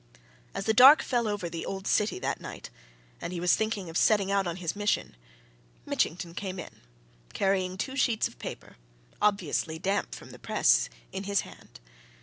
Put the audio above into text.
As the dark fell over the old city that night and he was thinking of setting out on his mission, Mitchington came in, carrying two sheets of paper, obviously damp from the press, in his hand.